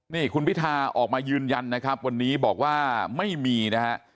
นี่คุณพิธาออกมายืนยันนะครับวันนี้บอกว่าไม่มีนะฮะ